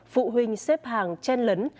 phụ huynh xếp hàng chen lấn